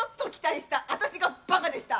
ちょっと期待した私がバカでした。